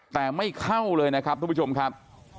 แต่ไม่เข้าเลยนะครับทุกผู้ชมครับ